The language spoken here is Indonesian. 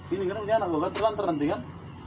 ini kan punya anak gue terlantar nanti kan